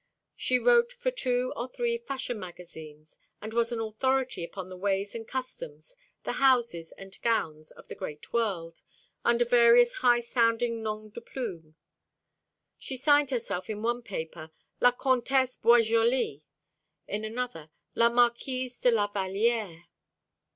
She wrote for two or three fashion magazines, and was an authority upon the ways and customs, the houses and gowns, of the great world, under various high sounding noms de plume. She signed herself in one paper La Comtesse Boisjoli, in another La Marquise de la Vallière.